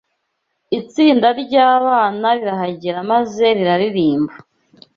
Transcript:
Itsinda ry'abana rirahagera maze riraririmba